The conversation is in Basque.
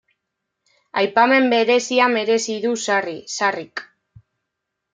Aipamen berezia merezi du Sarri, Sarri-k.